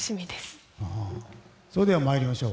それでは、参りましょう。